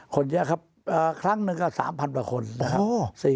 คนเยอะครับครั้งหนึ่งก็๓๐๐กว่าคนนะครับ